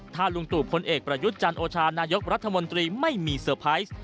ถ้าลุงตู่พลเอกประยุทธ์จันโอชานายกรัฐมนตรีไม่มีเซอร์ไพรส์